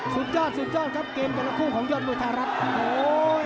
สุดยอดสุดยอดครับเกมกันละครู่ของยอดมือทารัพย์